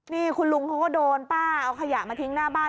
นี่คุณลุงเขาก็โดนป้าเอาขยะมาทิ้งหน้าบ้าน